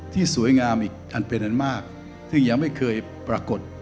ที่สวยงามอีกอันเป็นอันมากซึ่งยังไม่เคยปรากฏ